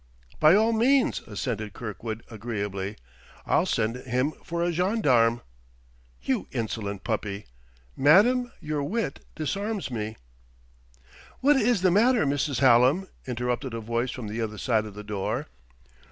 "By all means," assented Kirkwood agreeably. "I'll send him for a gendarme." "You insolent puppy!" "Madam, your wit disarms me " "What is the matter, Mrs. Hallam?" interrupted a voice from the other side of the door.